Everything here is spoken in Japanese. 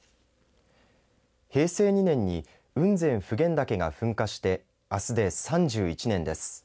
平成２年に雲仙・普賢岳が噴火してあすで３１年です。